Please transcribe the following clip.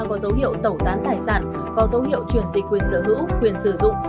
có dấu hiệu tẩu tán tài sản có dấu hiệu chuyển dịch quyền sở hữu quyền sử dụng